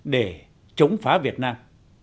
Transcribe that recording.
để chống phá việt nam